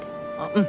うん。